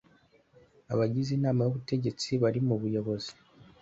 abagize Inama y ubutegetsi bari mu buyobozi